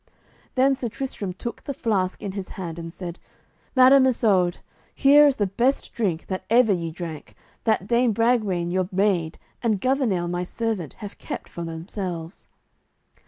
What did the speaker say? Then Sir Tristram took the flask in his hand, and said: "Madam Isoud, here is the best drink that ever ye drank, that Dame Bragwaine your maid and Gouvernail my servant have kept for themselves."